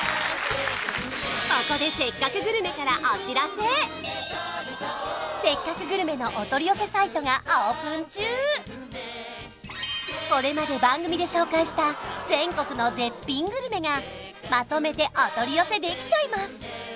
ここで「せっかくグルメ！！」からお知らせ「せっかくグルメ！！」のお取り寄せサイトがオープン中これまで番組で紹介した全国の絶品グルメがまとめてお取り寄せできちゃいます